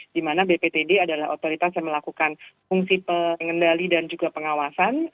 di mana bptd adalah otoritas yang melakukan fungsi pengendali dan juga pengawasan